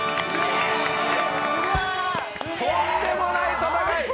とんでもない戦い。